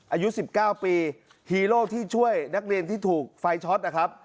อายุ๑๙ปีฮีโร่ที่ช่วยนักเรียนที่ถูกไฟช็อตนะครับ